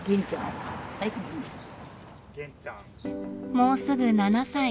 もうすぐ７歳。